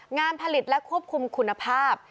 งานผลิตและควบคุมคุณภาพ